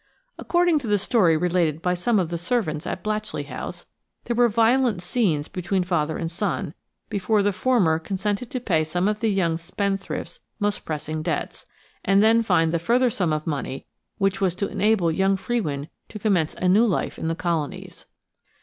According to the story related by some of the servants at Blatchley House, there were violent scenes between father and son before the former consented to pay some of the young spendthrift's most pressing debts, and then find the further sum of money which was to enable young Frewin to commence a new life in the colonies.